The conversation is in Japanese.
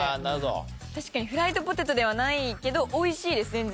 確かにフライドポテトではないけどおいしいです全然。